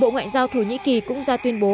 ngoại giao thổ nhĩ kỳ cũng ra tuyên bố